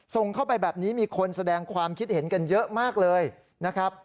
ส่งเข้าไปแบบนี้มีคนแสดงความคิดเห็นกันเยอะมากเลยนะครับ